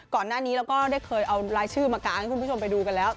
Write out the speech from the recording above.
ก่อนหน้านี้เราก็ได้เคยเอารายชื่อมากางให้คุณผู้ชมไปดูกันแล้ว